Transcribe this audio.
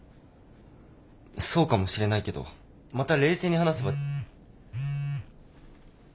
そうかもしれないけどまた冷静に話せば。